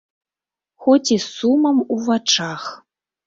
Хоць і з сумам у вачах.